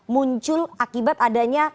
muncul akibat adanya